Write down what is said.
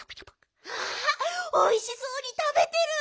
わあおいしそうにたべてる。